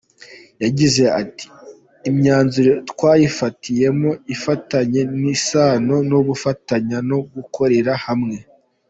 Yagize ati :« imyanzuro twayifatiyemo ifitanye isano n’ubufatanye no gukorera hamwe.